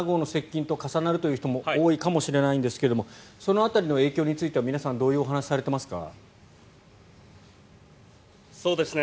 齋藤さん、帰りちょうど台風７号の接近と重なるという人も多いかもしれないんですがその辺りの影響については皆さんどういうお話をされていますか。